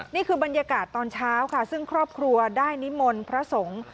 นี่คือบรรยากาศตอนเช้าค่ะซึ่งครอบครัวได้นิมนต์พระสงฆ์